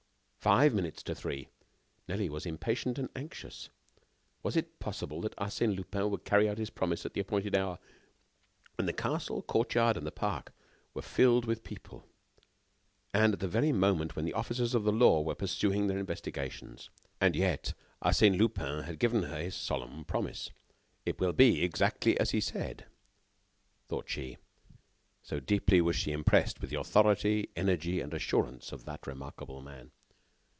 Five minutes to three!....Nelly was impatient and anxious. Was it possible that Arsène Lupin would carry out his promise at the appointed hour, when the castle, the courtyard, and the park were filled with people, and at the very moment when the officers of the law were pursuing their investigations? And yet....Arsène Lupin had given her his solemn promise. "It will be exactly as he said," thought she, so deeply was she impressed with the authority, energy and assurance of that remarkable man.